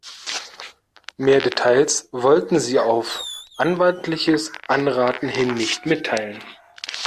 Mehr Details wollten sie auf anwaltliches Anraten hin nicht mitteilen.